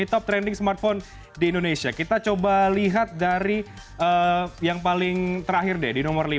top trending smartphone di indonesia kita coba lihat dari yang paling terakhir deh di nomor lima